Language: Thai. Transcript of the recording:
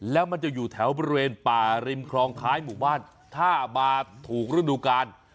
แล้วมันจะอยู่แถวบริเวณป่าริมคลองท้ายหมู่บ้านถ้ามาถูกฤดูกาล